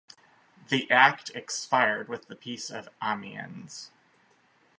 The Act expired with the Peace of Amiens.